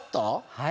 はい。